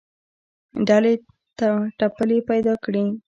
ډلې ټپلې پیدا کړې